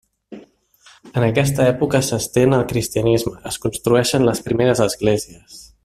En aquesta època s'estén el cristianisme, es construeixen les primeres esglésies.